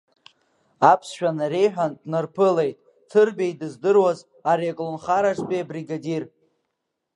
Аԥсшәа нареиҳәеит, днарылԥан, Ҭырбеи дыздыруаз, ари аколнхараҿтәи абригадир.